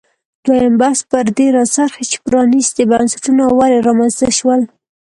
دویم بحث پر دې راڅرخي چې پرانیستي بنسټونه ولې رامنځته شول.